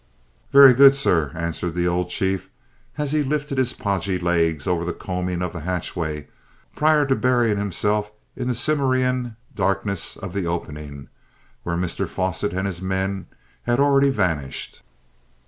"Very good, sir," answered the old chief as he lifted his podgy legs over the coaming of the hatchway, prior to burying himself in the cimmerian darkness of the opening, wherein Mr Fosset and his men had already vanished.